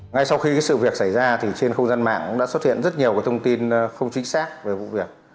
ngay sau khi sự việc xảy ra thì trên không gian mạng cũng đã xuất hiện rất nhiều thông tin không chính xác về vụ việc